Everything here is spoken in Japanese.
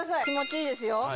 気持ちいいですよ